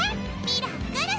ミラクル！